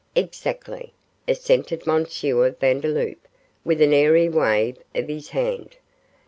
'Exactly,' assented M. Vandeloup, with an airy wave of his hand.